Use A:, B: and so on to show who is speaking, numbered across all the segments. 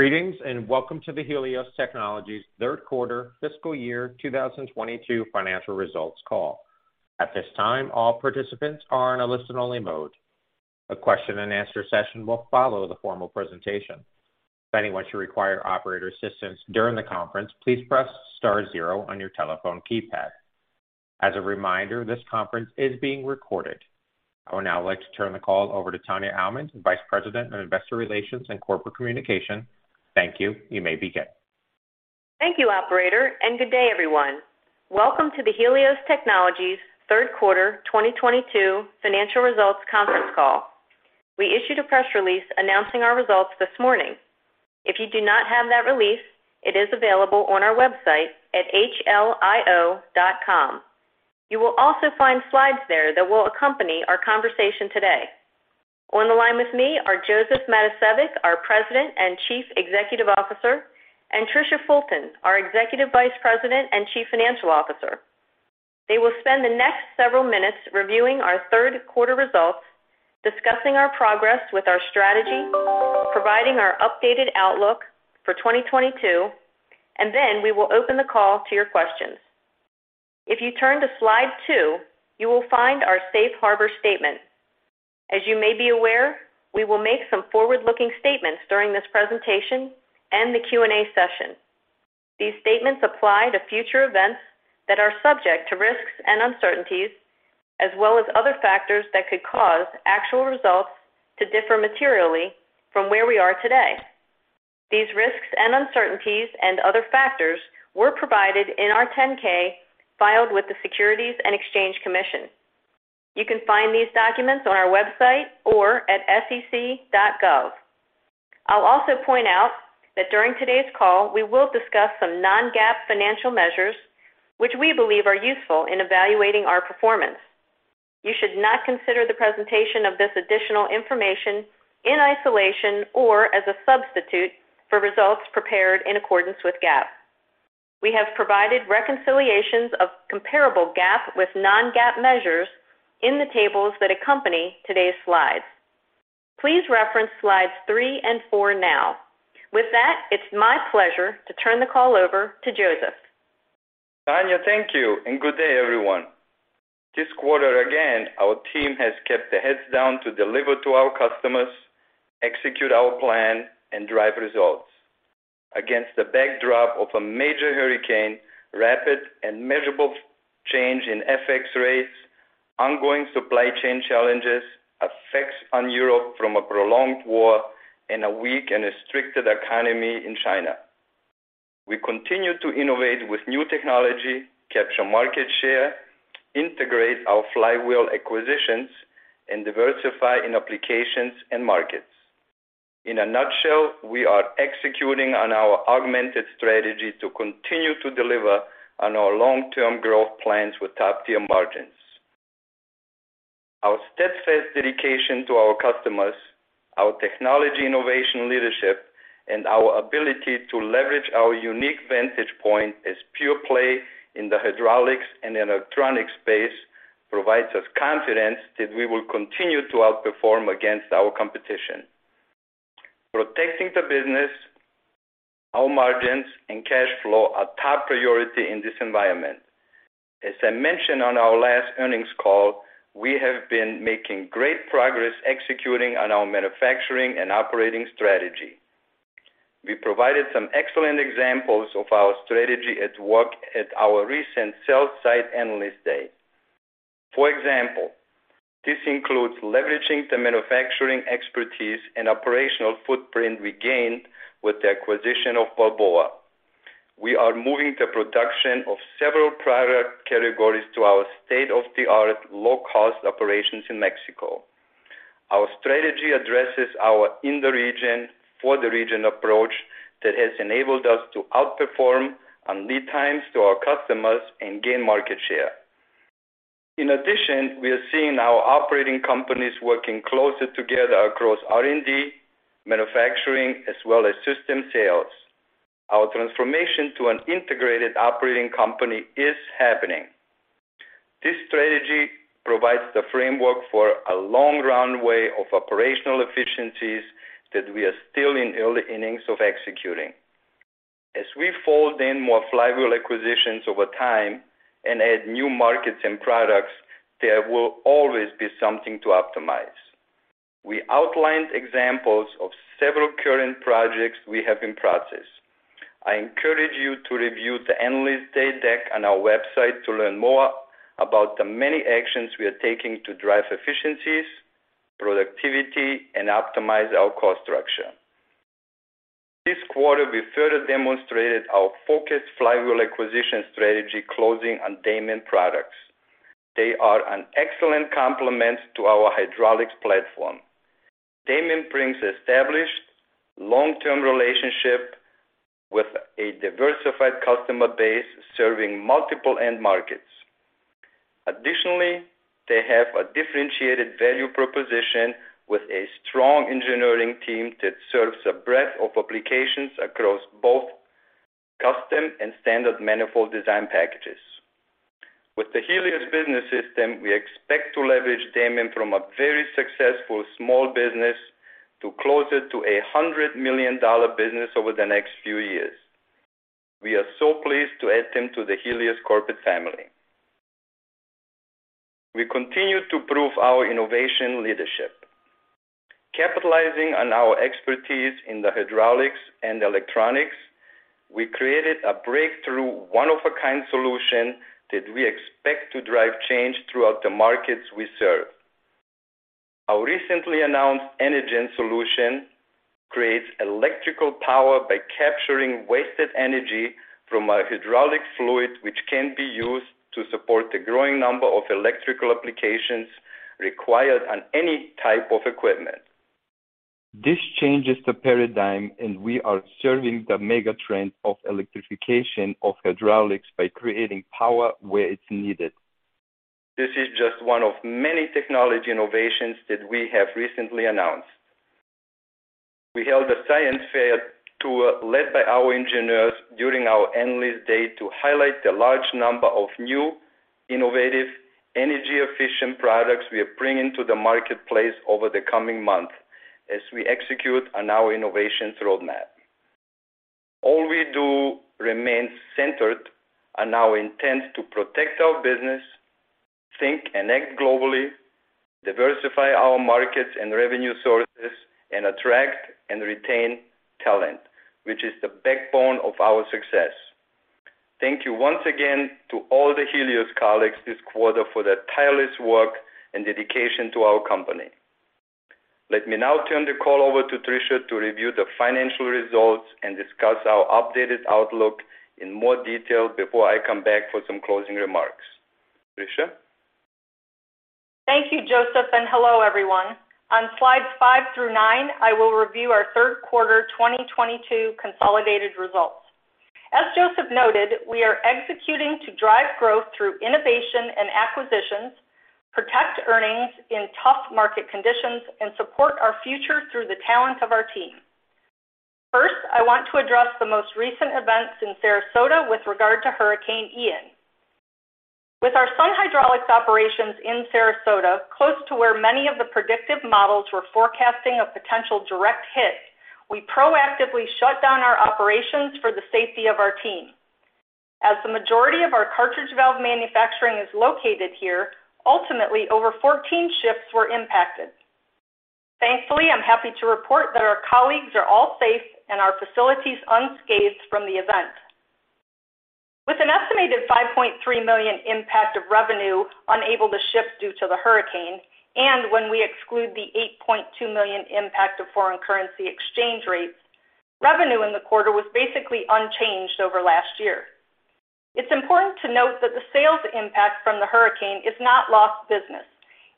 A: Greetings. Welcome to the Helios Technologies third quarter fiscal year 2022 financial results call. At this time, all participants are in a listen-only mode. A question and answer session will follow the formal presentation. If anyone should require operator assistance during the conference, please press star zero on your telephone keypad. As a reminder, this conference is being recorded. I would now like to turn the call over to Tania Almond, Vice President of Investor Relations and Corporate Communication. Thank you. You may begin.
B: Thank you, operator. Good day, everyone. Welcome to the Helios Technologies third quarter 2022 financial results conference call. We issued a press release announcing our results this morning. If you do not have that release, it is available on our website at hlio.com. You will also find slides there that will accompany our conversation today. On the line with me are Josef Matosevic, our President and Chief Executive Officer, and Tricia Fulton, our Executive Vice President and Chief Financial Officer. They will spend the next several minutes reviewing our third quarter results, discussing our progress with our strategy, providing our updated outlook for 2022, and then we will open the call to your questions. If you turn to slide two, you will find our safe harbor statement. As you may be aware, we will make some forward-looking statements during this presentation and the Q&A session. These statements apply to future events that are subject to risks and uncertainties, as well as other factors that could cause actual results to differ materially from where we are today. These risks and uncertainties and other factors were provided in our 10K filed with the Securities and Exchange Commission. You can find these documents on our website or at sec.gov. I'll also point out that during today's call, we will discuss some non-GAAP financial measures which we believe are useful in evaluating our performance. You should not consider the presentation of this additional information in isolation or as a substitute for results prepared in accordance with GAAP. We have provided reconciliations of comparable GAAP with non-GAAP measures in the tables that accompany today's slides. Please reference slides three and four now. With that, it's my pleasure to turn the call over to Josef.
C: Tania, thank you. Good day, everyone. This quarter, again, our team has kept their heads down to deliver to our customers, execute our plan, and drive results against the backdrop of a major hurricane, rapid and measurable change in FX rates, ongoing supply chain challenges, effects on Europe from a prolonged war, and a weak and restricted economy in China. We continue to innovate with new technology, capture market share, integrate our flywheel acquisitions, and diversify in applications and markets. In a nutshell, we are executing on our augmented strategy to continue to deliver on our long-term growth plans with top-tier margins. Our steadfast dedication to our customers, our technology innovation leadership, and our ability to leverage our unique vantage point as pure-play in the hydraulics and electronics space provides us confidence that we will continue to outperform against our competition. Protecting the business, our margins, and cash flow are top priority in this environment. As I mentioned on our last earnings call, we have been making great progress executing on our manufacturing and operating strategy. We provided some excellent examples of our strategy at work at our recent sell-side Analyst Day. For example, this includes leveraging the manufacturing expertise and operational footprint we gained with the acquisition of Balboa. We are moving the production of several product categories to our state-of-the-art low-cost operations in Mexico. Our strategy addresses our in-the-region, for-the-region approach that has enabled us to outperform on lead times to our customers and gain market share. In addition, we are seeing our operating companies working closer together across R&D, manufacturing, as well as system sales. Our transformation to an integrated operating company is happening. This strategy provides the framework for a long runway of operational efficiencies that we are still in early innings of executing. As we fold in more flywheel acquisitions over time and add new markets and products, there will always be something to optimize. We outlined examples of several current projects we have in process. I encourage you to review the Analyst Day deck on our website to learn more about the many actions we are taking to drive efficiencies, productivity, and optimize our cost structure. This quarter, we further demonstrated our focused flywheel acquisition strategy closing on Daman Products. They are an excellent complement to our hydraulics platform. Daman brings established long-term relationship with a diversified customer base serving multiple end markets. Additionally, they have a differentiated value proposition with a strong engineering team that serves a breadth of applications across both System and standard manifold design packages. With the Helios Business System, we expect to leverage Daman from a very successful small business to closer to a $100 million business over the next few years. We are so pleased to add them to the Helios corporate family. We continue to prove our innovation leadership. Capitalizing on our expertise in the hydraulics and electronics, we created a breakthrough, one-of-a-kind solution that we expect to drive change throughout the markets we serve. Our recently announced ENERGEN solution creates electrical power by capturing wasted energy from a hydraulic fluid, which can be used to support the growing number of electrical applications required on any type of equipment. This changes the paradigm, we are serving the mega trend of electrification of hydraulics by creating power where it's needed. This is just one of many technology innovations that we have recently announced. We held a science fair tour led by our engineers during our Analyst Day to highlight the large number of new, innovative, energy-efficient products we are bringing to the marketplace over the coming months as we execute on our innovations roadmap. All we do remains centered on our intent to protect our business, think and act globally, diversify our markets and revenue sources, and attract and retain talent, which is the backbone of our success. Thank you once again to all the Helios colleagues this quarter for their tireless work and dedication to our company. Let me now turn the call over to Tricia to review the financial results and discuss our updated outlook in more detail before I come back for some closing remarks. Tricia?
D: Thank you, Josef, and hello, everyone. On slides five through nine, I will review our third quarter 2022 consolidated results. As Josef noted, we are executing to drive growth through innovation and acquisitions, protect earnings in tough market conditions, and support our future through the talent of our team. First, I want to address the most recent events in Sarasota with regard to Hurricane Ian. With our Sun Hydraulics operations in Sarasota, close to where many of the predictive models were forecasting a potential direct hit, we proactively shut down our operations for the safety of our team. As the majority of our cartridge valve manufacturing is located here, ultimately, over 14 shifts were impacted. Thankfully, I'm happy to report that our colleagues are all safe and our facilities unscathed from the event. With an estimated $5.3 million impact of revenue unable to ship due to the hurricane, when we exclude the $8.2 million impact of foreign currency exchange rates, revenue in the quarter was basically unchanged over last year. It's important to note that the sales impact from the hurricane is not lost business.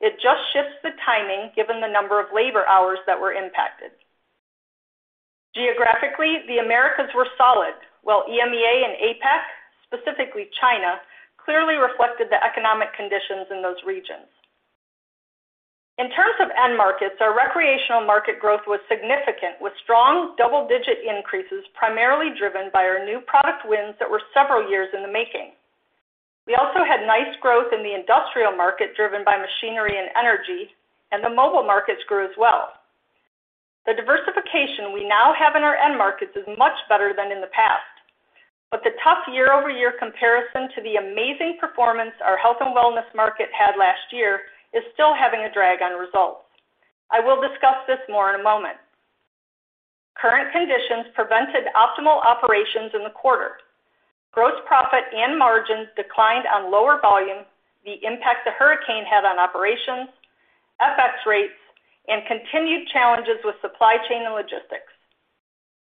D: It just shifts the timing given the number of labor hours that were impacted. Geographically, the Americas were solid, while EMEA and APAC, specifically China, clearly reflected the economic conditions in those regions. In terms of end markets, our recreational market growth was significant, with strong double-digit increases, primarily driven by our new product wins that were several years in the making. We also had nice growth in the industrial market, driven by machinery and energy, and the mobile markets grew as well. The diversification we now have in our end markets is much better than in the past, but the tough year-over-year comparison to the amazing performance our health and wellness market had last year is still having a drag on results. I will discuss this more in a moment. Current conditions prevented optimal operations in the quarter. Gross profit and margins declined on lower volume, the impact the hurricane had on operations, FX rates, and continued challenges with supply chain and logistics.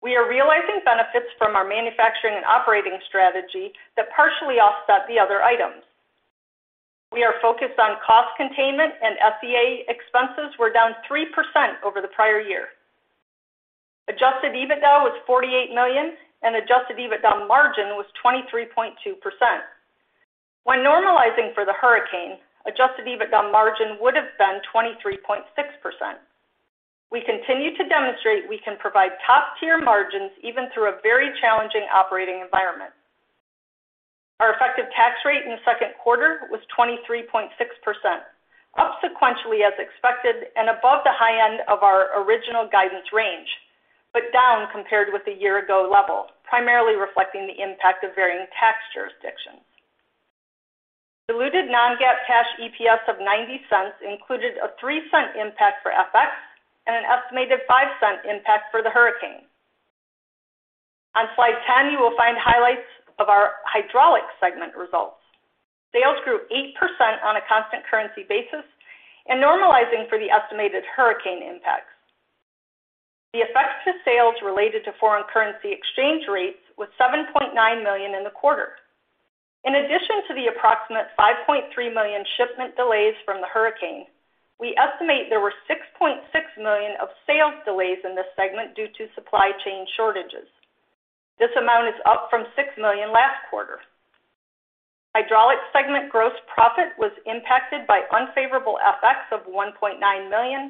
D: We are realizing benefits from our manufacturing and operating strategy that partially offset the other items. We are focused on cost containment. SEA expenses were down 3% over the prior year. Adjusted EBITDA was $48 million, and adjusted EBITDA margin was 23.2%. When normalizing for the hurricane, adjusted EBITDA margin would have been 23.6%. We continue to demonstrate we can provide top-tier margins even through a very challenging operating environment. Our effective tax rate in the second quarter was 23.6%, up sequentially as expected and above the high end of our original guidance range, but down compared with the year-ago level, primarily reflecting the impact of varying tax jurisdictions. Diluted non-GAAP cash EPS of $0.90 included a $0.03 impact for FX and an estimated $0.05 impact for the hurricane. On slide 10, you will find highlights of our hydraulics segment results. Sales grew 8% on a constant currency basis and normalizing for the estimated hurricane impacts. The effects to sales related to foreign currency exchange rates was $7.9 million in the quarter. In addition to the approximate $5.3 million shipment delays from the hurricane, we estimate there were $6.6 million of sales delays in this segment due to supply chain shortages. This amount is up from $6 million last quarter. Hydraulics segment gross profit was impacted by unfavorable FX of $1.9 million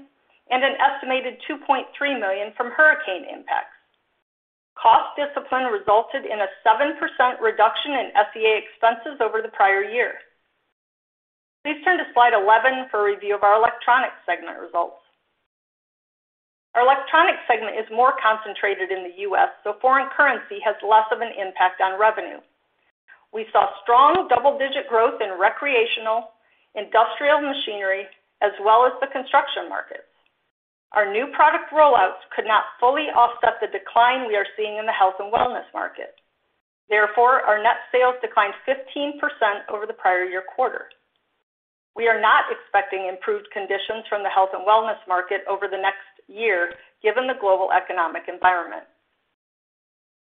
D: and an estimated $2.3 million from hurricane impacts. Cost discipline resulted in a 7% reduction in SEA expenses over the prior year. Please turn to Slide 11 for a review of our Electronics segment results. Our Electronics segment is more concentrated in the U.S., so foreign currency has less of an impact on revenue. We saw strong double-digit growth in recreational, industrial machinery, as well as the construction markets. Our new product rollouts could not fully offset the decline we are seeing in the health and wellness market. Our net sales declined 15% over the prior year quarter. We are not expecting improved conditions from the health and wellness market over the next year given the global economic environment.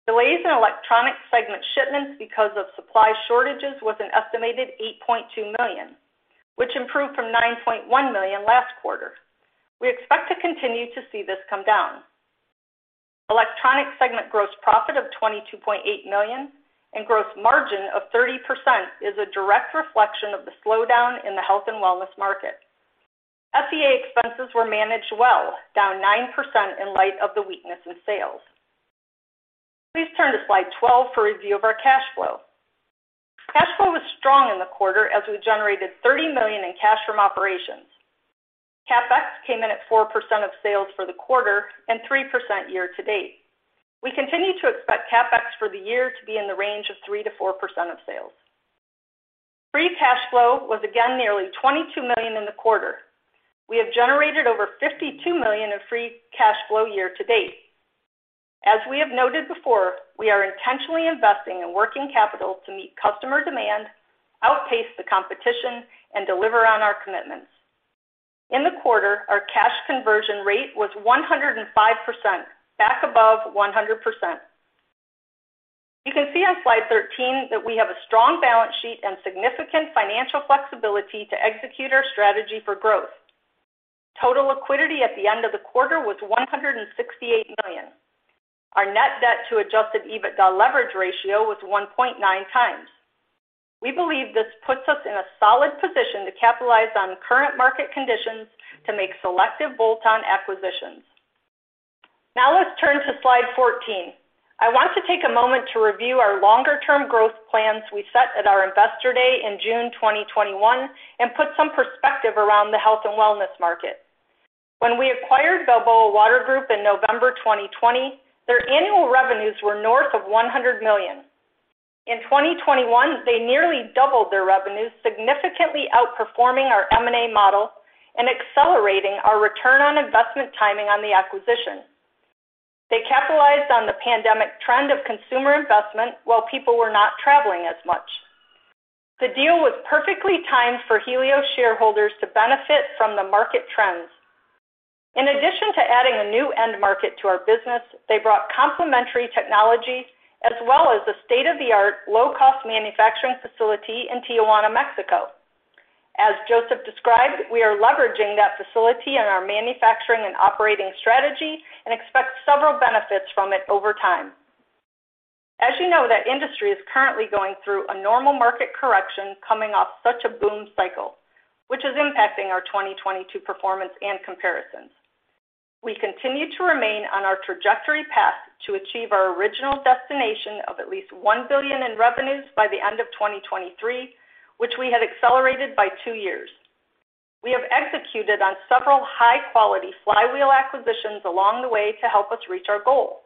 D: Delays in Electronics segment shipments because of supply shortages was an estimated $8.2 million, which improved from $9.1 million last quarter. We expect to continue to see this come down. Electronics segment gross profit of $22.8 million and gross margin of 30% is a direct reflection of the slowdown in the health and wellness market. SEA expenses were managed well, down 9% in light of the weakness in sales. Please turn to Slide 12 for a review of our cash flow. Cash flow was strong in the quarter as we generated $30 million in cash from operations. CapEx came in at 4% of sales for the quarter and 3% year-to-date. We continue to expect CapEx for the year to be in the range of 3%-4% of sales. Free cash flow was again nearly $22 million in the quarter. We have generated over $52 million of free cash flow year-to-date. As we have noted before, we are intentionally investing in working capital to meet customer demand, outpace the competition, and deliver on our commitments. In the quarter, our cash conversion rate was 105%, back above 100%. You can see on Slide 13 that we have a strong balance sheet and significant financial flexibility to execute our strategy for growth. Total liquidity at the end of the quarter was $168 million. Our net debt to adjusted EBITDA leverage ratio was 1.9 times. Let's turn to Slide 14. I want to take a moment to review our longer-term growth plans we set at our Investor Day in June 2021 and put some perspective around the health and wellness market. When we acquired Balboa Water Group in November 2020, their annual revenues were north of $100 million. In 2021, they nearly doubled their revenues, significantly outperforming our M&A model and accelerating our return on investment timing on the acquisition. They capitalized on the pandemic trend of consumer investment while people were not traveling as much. The deal was perfectly timed for Helios shareholders to benefit from the market trends. In addition to adding a new end market to our business, they brought complementary technology as well as a state-of-the-art, low-cost manufacturing facility in Tijuana, Mexico. As Josef described, we are leveraging that facility in our manufacturing and operating strategy and expect several benefits from it over time. As you know, that industry is currently going through a normal market correction coming off such a boom cycle, which is impacting our 2022 performance and comparisons. We continue to remain on our trajectory path to achieve our original destination of at least $1 billion in revenues by the end of 2023, which we had accelerated by two years. We have executed on several high-quality flywheel acquisitions along the way to help us reach our goal.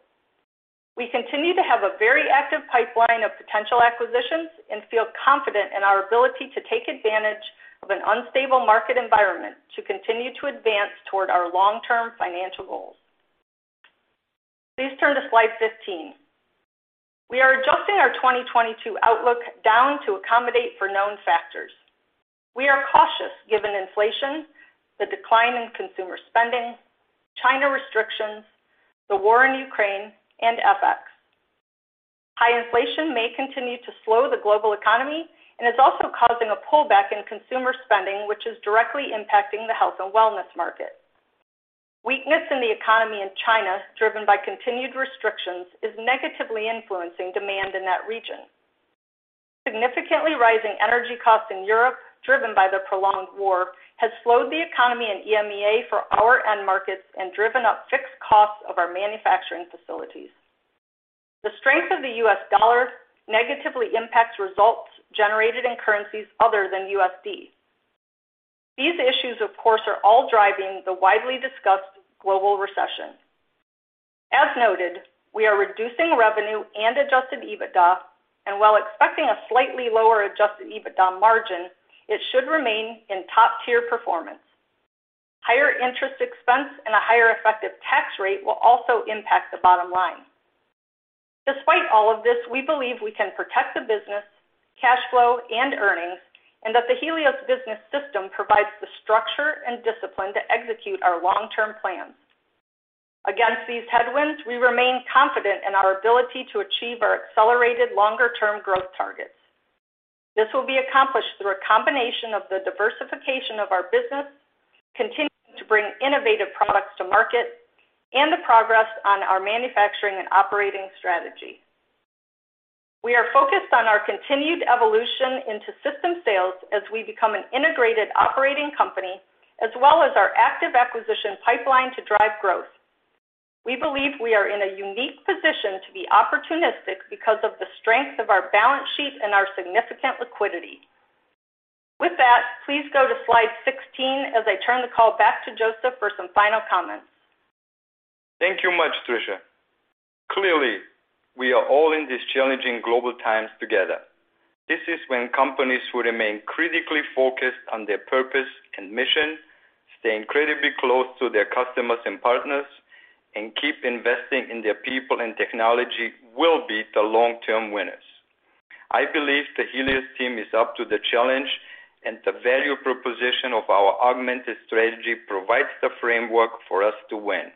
D: We continue to have a very active pipeline of potential acquisitions and feel confident in our ability to take advantage of an unstable market environment to continue to advance toward our long-term financial goals. Please turn to Slide 15. We are adjusting our 2022 outlook down to accommodate for known factors. We are cautious given inflation, the decline in consumer spending, China restrictions, the war in Ukraine, and FX. High inflation may continue to slow the global economy and is also causing a pullback in consumer spending, which is directly impacting the health and wellness market. Weakness in the economy in China, driven by continued restrictions, is negatively influencing demand in that region. Significantly rising energy costs in Europe, driven by the prolonged war, has slowed the economy in EMEA for our end markets and driven up fixed costs of our manufacturing facilities. The strength of the U.S. dollar negatively impacts results generated in currencies other than USD. These issues, of course, are all driving the widely discussed global recession. As noted, we are reducing revenue and adjusted EBITDA, and while expecting a slightly lower adjusted EBITDA margin, it should remain in top-tier performance. Higher interest expense and a higher effective tax rate will also impact the bottom line. Despite all of this, we believe we can protect the business, cash flow, and earnings, and that the Helios Business System provides the structure and discipline to execute our long-term plans. Against these headwinds, we remain confident in our ability to achieve our accelerated longer-term growth targets. This will be accomplished through a combination of the diversification of our business, continuing to bring innovative products to market, and the progress on our manufacturing and operating strategy. We are focused on our continued evolution into system sales as we become an integrated operating company, as well as our active acquisition pipeline to drive growth. We believe we are in a unique position to be opportunistic because of the strength of our balance sheet and our significant liquidity. With that, please go to Slide 16 as I turn the call back to Josef for some final comments.
C: Thank you much, Tricia. Clearly, we are all in this challenging global times together. This is when companies who remain critically focused on their purpose and mission, stay incredibly close to their customers and partners, and keep investing in their people and technology will be the long-term winners. I believe the Helios team is up to the challenge, and the value proposition of our augmented strategy provides the framework for us to win.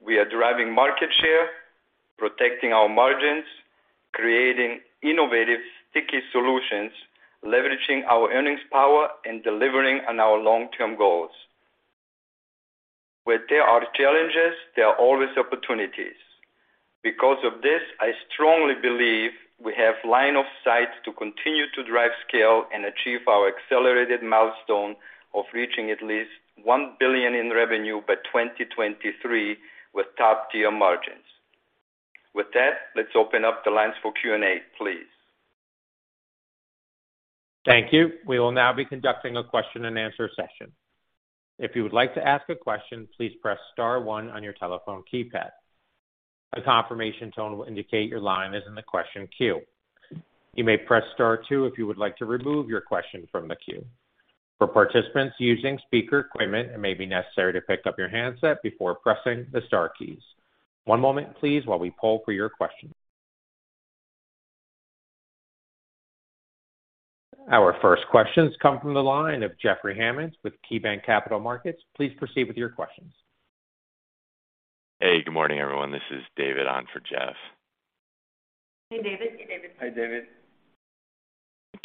C: We are driving market share, protecting our margins, creating innovative, sticky solutions, leveraging our earnings power, and delivering on our long-term goals. Where there are challenges, there are always opportunities. Because of this, I strongly believe we have line of sight to continue to drive scale and achieve our accelerated milestone of reaching at least $1 billion in revenue by 2023, with top-tier margins. With that, let's open up the lines for Q&A, please.
A: Thank you. We will now be conducting a question and answer session. If you would like to ask a question, please press star one on your telephone keypad. A confirmation tone will indicate your line is in the question queue. You may press star two if you would like to remove your question from the queue. For participants using speaker equipment, it may be necessary to pick up your handset before pressing the star keys. One moment, please, while we poll for your question. Our first questions come from the line of Jeffrey Hammond with KeyBanc Capital Markets. Please proceed with your questions.
E: Hey, good morning, everyone. This is David on for Jeff.
D: Hey, David.
C: Hi, David.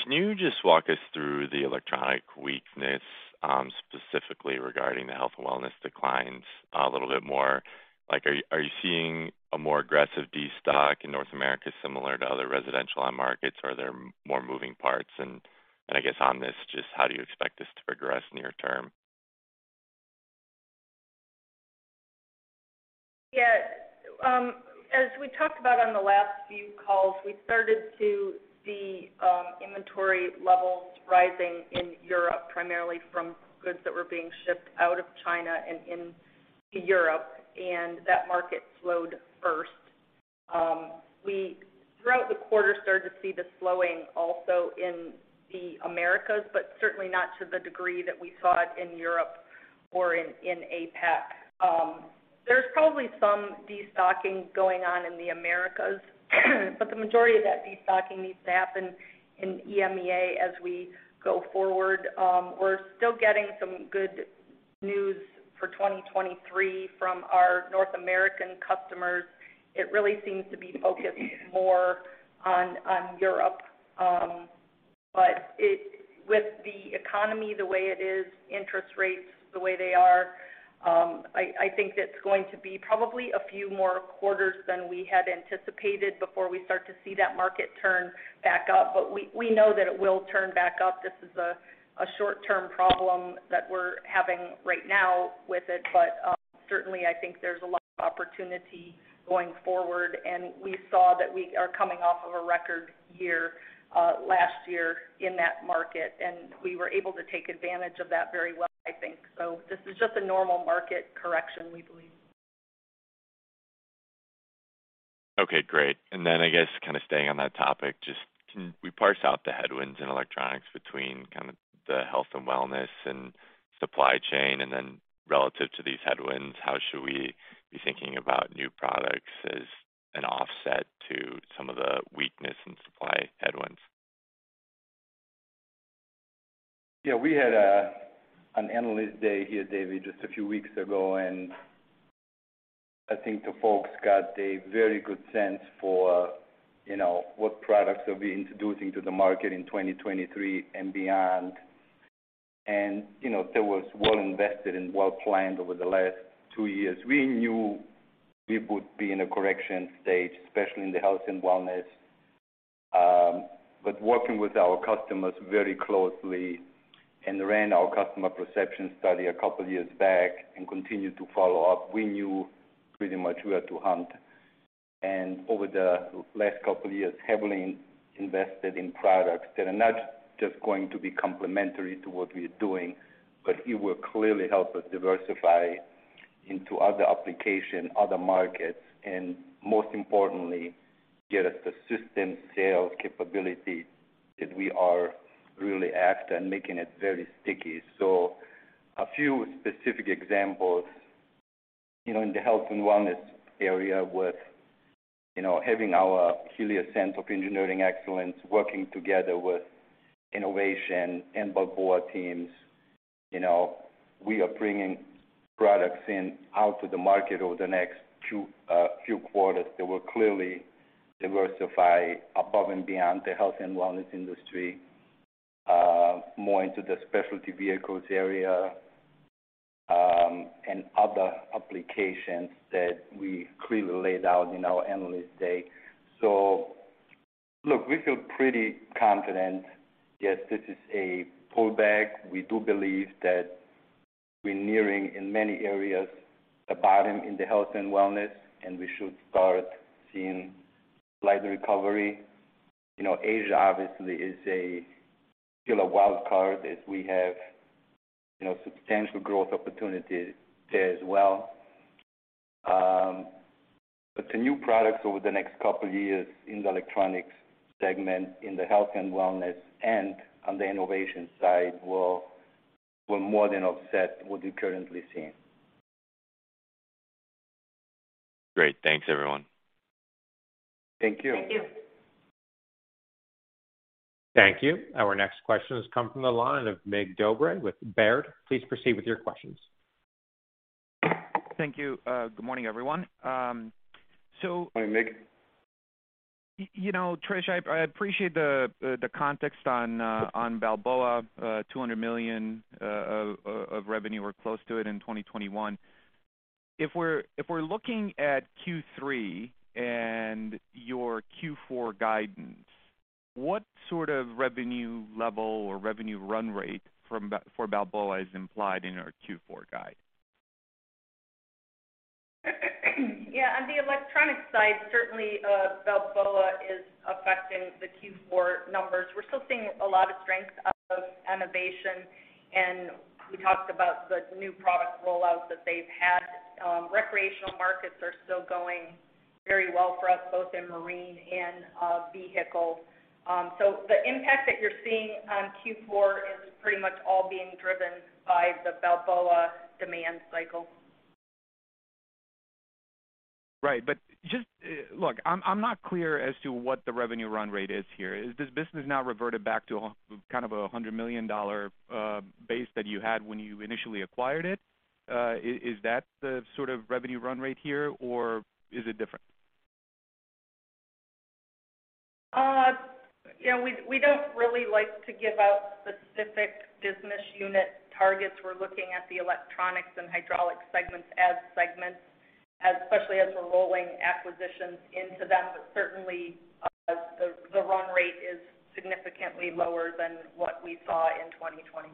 E: Can you just walk us through the electronic weakness, specifically regarding the Health and Wellness declines a little bit more? Are you seeing a more aggressive de-stock in North America similar to other residential end markets? Are there more moving parts? I guess on this, just how do you expect this to progress near term?
D: Yeah. As we talked about on the last few calls, we started to see inventory levels rising in Europe, primarily from goods that were being shipped out of China and into Europe, that market slowed first. We, throughout the quarter, started to see the slowing also in the Americas, but certainly not to the degree that we saw it in Europe or in APAC. There's probably some de-stocking going on in the Americas, but the majority of that de-stocking needs to happen in EMEA as we go forward. We're still getting some good news for 2023 from our North American customers. It really seems to be focused more on Europe. With the economy the way it is, interest rates the way they are, I think it's going to be probably a few more quarters than we had anticipated before we start to see that market turn back up. We know that it will turn back up. This is a short-term problem that we're having right now with it. Certainly, I think there's a lot of opportunity going forward, and we saw that we are coming off of a record year, last year in that market, and we were able to take advantage of that very well, I think. This is just a normal market correction, we believe.
E: Okay, great. I guess kind of staying on that topic, just can we parse out the headwinds in electronics between the Health and Wellness and supply chain? Relative to these headwinds, how should we be thinking about new products as an offset to some of the weakness in supply headwinds?
C: Yeah. We had an Analyst Day here, David, just a few weeks ago, and I think the folks got a very good sense for what products we'll be introducing to the market in 2023 and beyond. That was well invested and well planned over the last two years. We knew we would be in a correction stage, especially in the health and wellness. Working with our customers very closely and ran our customer perception study a couple of years back and continued to follow up, we knew pretty much where to hunt. Over the last couple of years, heavily invested in products that are not just going to be complementary to what we are doing, but it will clearly help us diversify into other application, other markets, and most importantly, get us the system sales capability that we are really after and making it very sticky. A few specific examples, in the health and wellness area with having our Helios Center of Engineering Excellence, working together with Enovation and Balboa teams, we are bringing products in out to the market over the next few quarters that will clearly diversify above and beyond the health and wellness industry, more into the specialty vehicles area, and other applications that we clearly laid out in our Analyst Day. Look, we feel pretty confident. Yes, this is a pullback. We do believe that we're nearing, in many areas, the bottom in the health and wellness, and we should start seeing slight recovery. Asia obviously is a still a wild card as we have substantial growth opportunity there as well. The new products over the next couple of years in the electronics segment, in the health and wellness, and on the Enovation side will more than offset what we're currently seeing.
E: Great. Thanks, everyone.
C: Thank you.
D: Thank you.
A: Thank you. Our next question has come from the line of Mircea Dobre with Baird. Please proceed with your questions.
F: Thank you. Good morning, everyone.
C: Morning, Mig.
F: Trish, I appreciate the context on Balboa, $200 million of revenue or close to it in 2021. If we're looking at Q3 and your Q4 guidance, what sort of revenue level or revenue run rate for Balboa is implied in our Q4 guide?
D: Yeah. On the electronic side, certainly Balboa is affecting the Q4 numbers. We're still seeing a lot of strength out of Enovation, and we talked about the new product rollouts that they've had. Recreational markets are still going very well for us, both in marine and vehicle. The impact that you're seeing on Q4 is pretty much all being driven by the Balboa demand cycle.
F: Right. Just look, I'm not clear as to what the revenue run rate is here. Is this business now reverted back to kind of a $100 million base that you had when you initially acquired it? Is that the sort of revenue run rate here, or is it different?
D: We don't really like to give out specific business unit targets. We're looking at the electronics and hydraulics segments as segments, especially as we're rolling acquisitions into them. Certainly, the run rate is significantly lower than what we saw in 2021.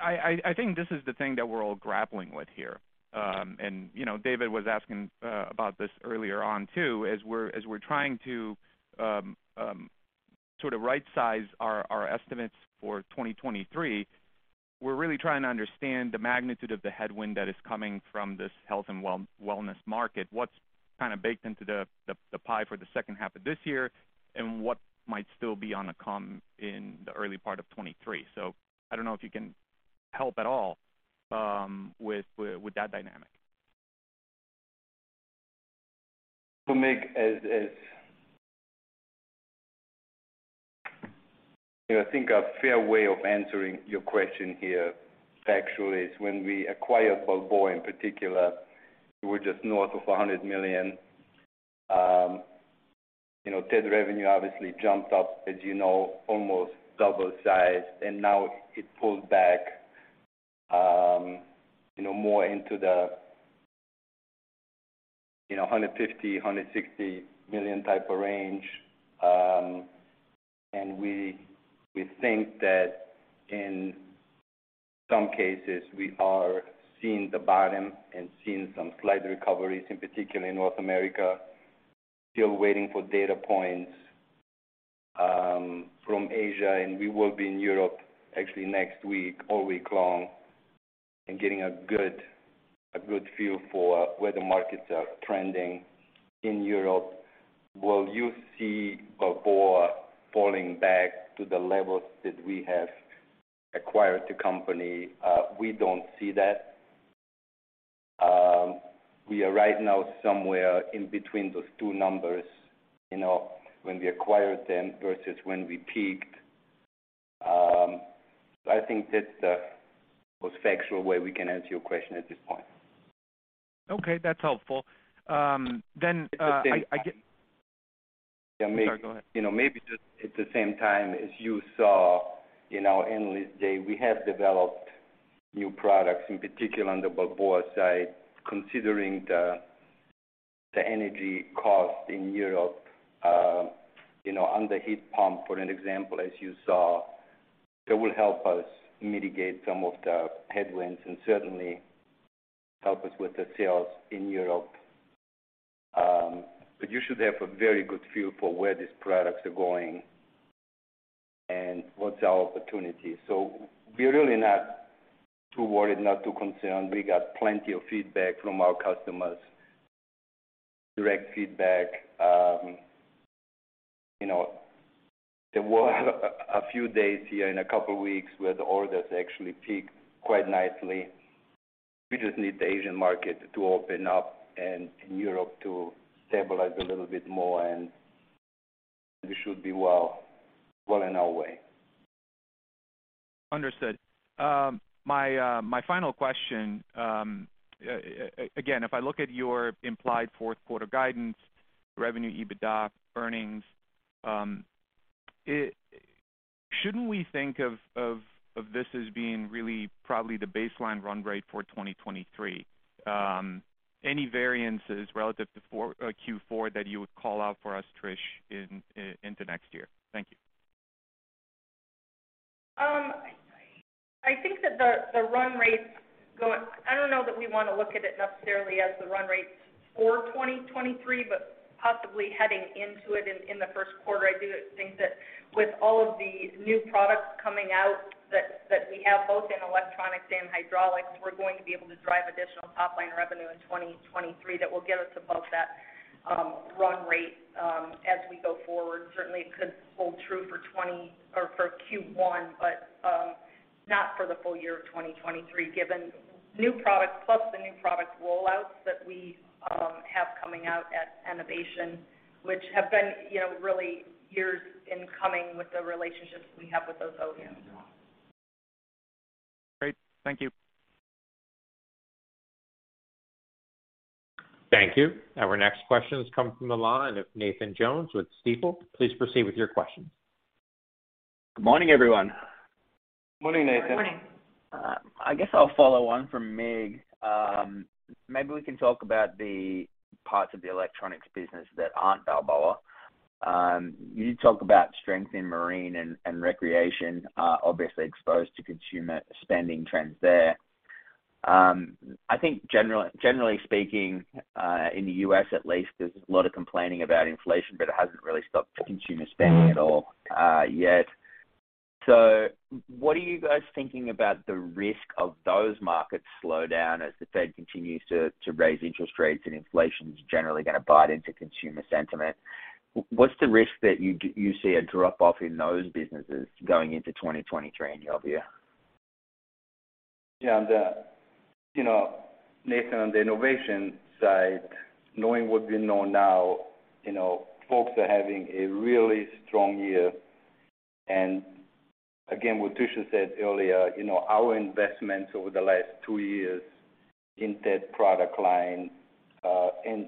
F: I think this is the thing that we're all grappling with here.
D: Sure.
F: David was asking about this earlier on, too. As we're trying to sort of right-size our estimates for 2023, we're really trying to understand the magnitude of the headwind that is coming from this health and wellness market. What's kind of baked into the pie for the second half of this year, and what might still be on the come in the early part of 2023? I don't know if you can help at all with that dynamic.
C: Mig as I think a fair way of answering your question here factually is when we acquired Balboa, in particular, we were just north of $100 million. TED revenue obviously jumped up, as you know, almost double size, and now it pulled back more into the $150, $160 million type of range. We think that in some cases, we are seeing the bottom and seeing some slight recoveries, in particular in North America. Still waiting for data points from Asia, and we will be in Europe actually next week, all week long, and getting a good feel for where the markets are trending in Europe. Will you see Balboa falling back to the levels that we have acquired the company? We don't see that. We are right now somewhere in between those two numbers, when we acquired them versus when we peaked. I think that's the most factual way we can answer your question at this point.
F: Okay, that's helpful.
C: At the same-
F: I'm sorry. Go ahead.
C: Maybe just at the same time as you saw in our Analyst Day, we have developed new products, in particular on the Balboa side, considering the energy cost in Europe on the heat pump, for example, as you saw. That will help us mitigate some of the headwinds and certainly help us with the sales in Europe. You should have a very good feel for where these products are going and what's our opportunity. We're really not too worried, not too concerned. We got plenty of feedback from our customers, direct feedback. There were a few days here and a couple of weeks where the orders actually peaked quite nicely. We just need the Asian market to open up and Europe to stabilize a little bit more, and we should be well in our way.
F: Understood. My final question, again, if I look at your implied fourth quarter guidance, revenue, EBITDA, earnings, shouldn't we think of this as being really probably the baseline run rate for 2023? Any variances relative to Q4 that you would call out for us, Trish, into next year? Thank you.
D: I think that the run rate. I don't know that we want to look at it necessarily as the run rate for 2023, but possibly heading into it in the first quarter. I do think that with all of the new products coming out that we have, both in electronics and hydraulics, we're going to be able to drive additional top-line revenue in 2023 that will get us above that run rate as we go forward. Certainly, it could hold true for Q1, but not for the full year of 2023, given new products plus the new product rollouts that we have coming out at Enovation, which have been really years in coming with the relationships we have with those OEMs.
F: Great. Thank you.
A: Thank you. Our next question comes from the line of Nathan Jones with Stifel. Please proceed with your question.
G: Good morning, everyone.
C: Morning, Nathan.
D: Morning.
G: I guess I'll follow on from Mig. Maybe we can talk about the parts of the electronics business that aren't Balboa. You talk about strength in marine and recreation, obviously exposed to consumer spending trends there. I think generally speaking, in the U.S. at least, there's a lot of complaining about inflation, but it hasn't really stopped consumer spending at all yet. What are you guys thinking about the risk of those markets slow down as the Fed continues to raise interest rates, and inflation's generally going to bite into consumer sentiment? What's the risk that you see a drop-off in those businesses going into 2023, any of you?
C: Nathan, on the Enovation side, knowing what we know now, folks are having a really strong year. Again, what Tricia said earlier, our investments over the last two years in that product line,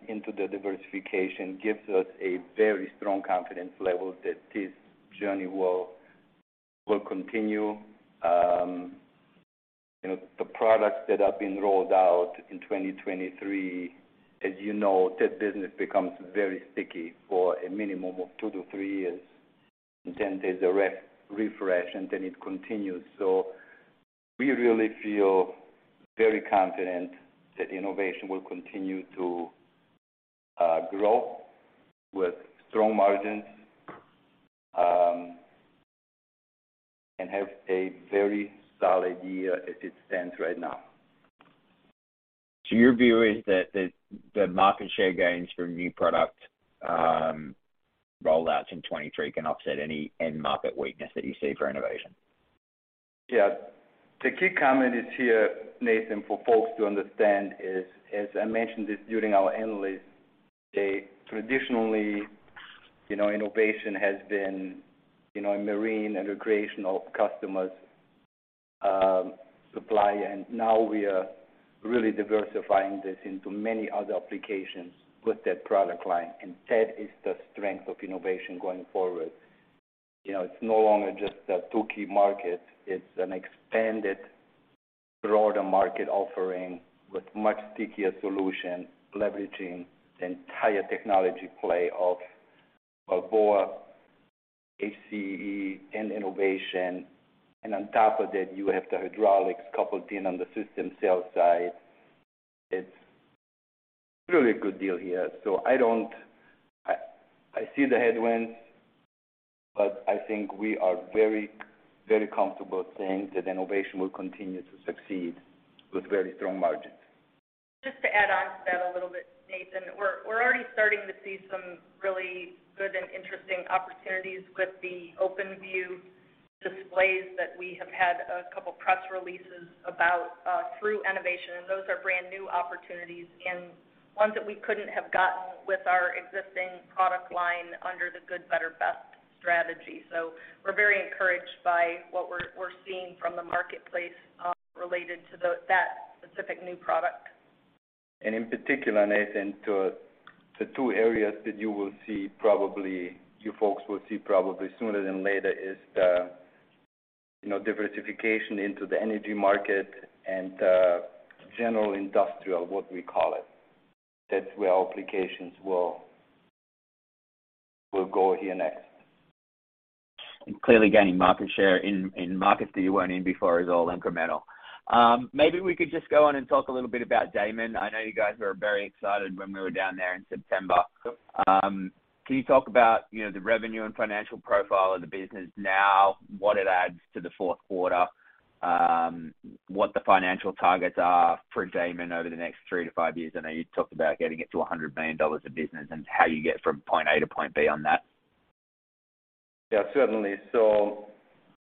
C: into the diversification gives us a very strong confidence level that this journey will continue. The products that have been rolled out in 2023, as you know, that business becomes very sticky for a minimum of two to three years. Then there's a refresh, then it continues. We really feel very confident that Enovation will continue to grow with strong margins, and have a very solid year as it stands right now.
G: Your view is that the market share gains from new product rollouts in 2023 can offset any end market weakness that you see for Enovation?
C: Yeah. The key comment is here, Nathan, for folks to understand is, as I mentioned this during our Analyst Day, traditionally, Enovation has been a marine and recreational customers supply. Now we are really diversifying this into many other applications with that product line. That is the strength of Enovation going forward. It's no longer just a two-key market; it's an expanded, broader market offering with much stickier solution, leveraging the entire technology play of Balboa, HCEE, and Enovation. On top of that, you have the hydraulics coupled in on the system sales side. It's really a good deal here. I see the headwinds, I think we are very comfortable saying that Enovation will continue to succeed with very strong margins.
D: Just to add on to that a little bit, Nathan. We're already starting to see some really good and interesting opportunities with the OpenView displays that we have had a couple press releases about through Enovation, those are brand-new opportunities and ones that we couldn't have gotten with our existing product line under the good, better, best strategy. We're very encouraged by what we're seeing from the marketplace related to that specific new product.
C: In particular, Nathan, the two areas that you folks will see probably sooner than later is the diversification into the energy market and the general industrial, what we call it. That's where applications will go here next.
G: Clearly gaining market share in markets that you weren't in before is all incremental. Maybe we could just go on and talk a little bit about Daman. I know you guys were very excited when we were down there in September.
C: Sure.
G: Can you talk about the revenue and financial profile of the business now, what it adds to the fourth quarter, what the financial targets are for Daman over the next three to five years? I know you talked about getting it to $100 million of business, and how you get from point A to point B on that.
C: Yeah, certainly.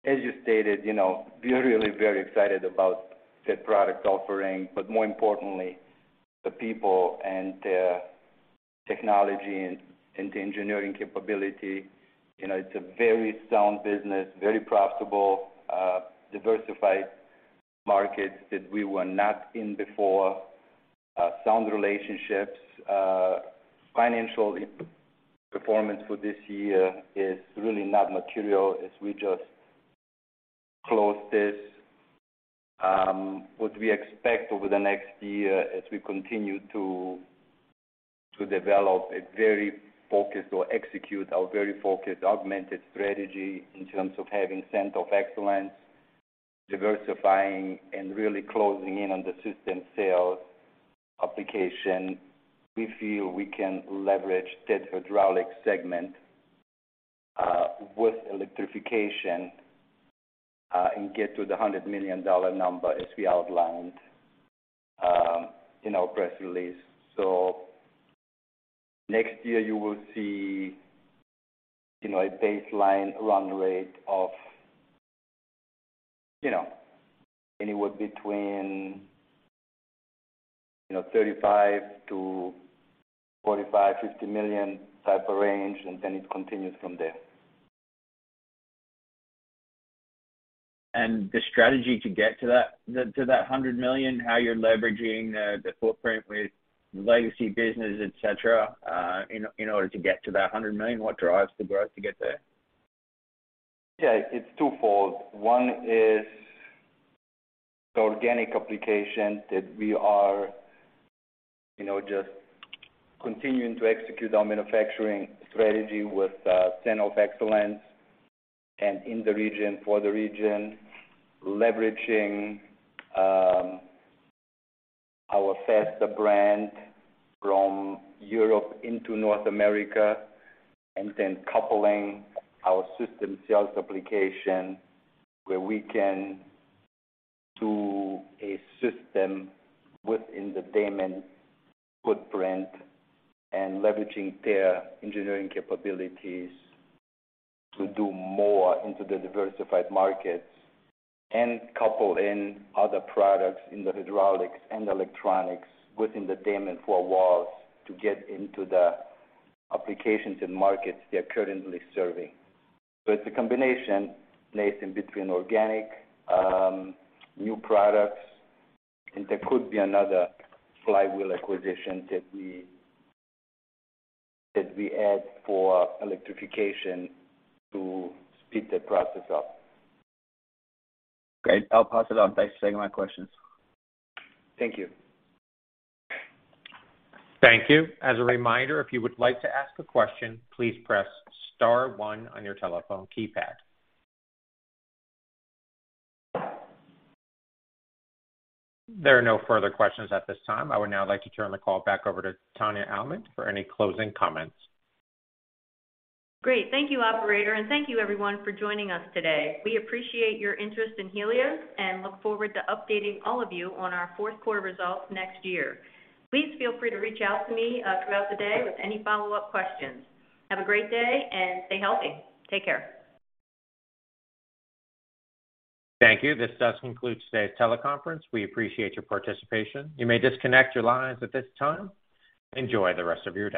C: As you stated, we're really very excited about that product offering, but more importantly, the people and the technology and engineering capability. It's a very sound business, very profitable, diversified markets that we were not in before. Sound relationships. Financial performance for this year is really not material as we just closed this. What we expect over the next year as we continue to develop a very focused, or execute our very focused, augmented strategy in terms of having center of excellence, diversifying and really closing in on the system sales application. We feel we can leverage that hydraulic segment, with electrification, and get to the $100 million number as we outlined in our press release. Next year you will see a baseline run rate of anywhere between $35 million to $45 million, $50 million type of range, and then it continues from there.
G: The strategy to get to that $100 million, how you're leveraging the footprint with legacy business, et cetera, in order to get to that $100 million, what drives the growth to get there?
C: Yeah, it's twofold. One is the organic application that we are just continuing to execute our manufacturing strategy with center of excellence and in the region, for the region. Leveraging our Faster brand from Europe into North America, then coupling our system sales application where we can do a system within the Daman footprint and leveraging their engineering capabilities to do more into the diversified markets. Couple in other products in the hydraulics and electronics within the Daman four walls to get into the applications and markets they're currently serving. It's a combination, Nathan, between organic, new products, and there could be another flywheel acquisition that we add for electrification to speed the process up.
G: Great. I'll pass it on. Thanks for taking my questions.
C: Thank you.
A: Thank you. As a reminder, if you would like to ask a question, please press star one on your telephone keypad. There are no further questions at this time. I would now like to turn the call back over to Tania Almond for any closing comments.
B: Great. Thank you, operator, and thank you everyone for joining us today. We appreciate your interest in Helios and look forward to updating all of you on our fourth quarter results next year. Please feel free to reach out to me throughout the day with any follow-up questions. Have a great day and stay healthy. Take care.
A: Thank you. This does conclude today's teleconference. We appreciate your participation. You may disconnect your lines at this time. Enjoy the rest of your day.